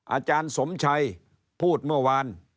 อาจารย์สมชัยพูดเมื่อวาน